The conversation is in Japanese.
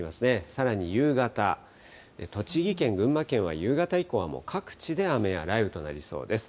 さらに夕方、栃木県、群馬県は夕方以降はもう各地で雨や雷雨となりそうです。